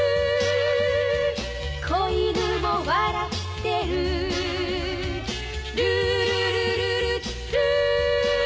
「小犬も笑ってる」「ルールルルルルー」